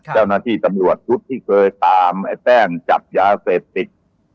เจ้าหน้าที่ตำรวจชุดที่เคยตามไอ้แต้มจับยาเสพติด